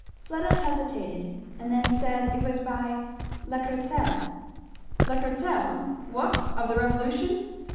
Fleda hesitated and then said it was by Lacretelle. "Lacretelle? what, of the Revolution?"